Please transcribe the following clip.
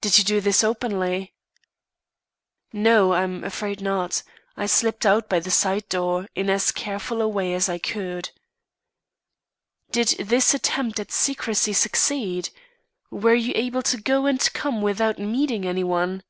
"Did you do this openly?" "No. I'm afraid not; I slipped out by the side door, in as careful a way as I could." "Did this attempt at secrecy succeed? Were you able to go and come without meeting any one?"